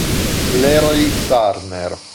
Larry Turner